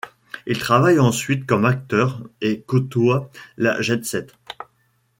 Il travaille ensuite comme acteur et côtoie la jet set.